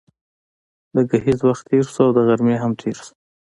د ګهیځ وخت تېر شو او د غرمې هم تېر شو.